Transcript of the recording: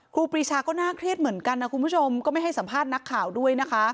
ครูปรีชาก็น่าเครียดเหมือนกันนะคุณผู้ชมก็ไม่ให้สัมภาษณ์นักข่าวด้วยนะคะ